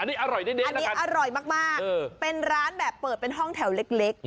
อันนี้อร่อยแน่อันนี้อร่อยมากเป็นร้านแบบเปิดเป็นห้องแถวเล็ก